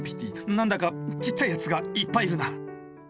なんだかちっちゃいやつがいっぱいいるな。